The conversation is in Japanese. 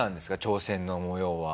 挑戦の模様は。